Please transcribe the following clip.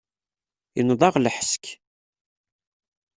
Inneḍ-aɣ lḥesk.